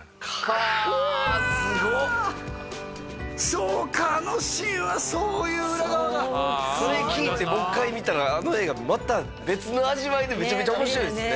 そうかあのシーンはそういう裏側がそれ聞いてもう一回見たらあの映画また別の味わいでめちゃめちゃ面白いですね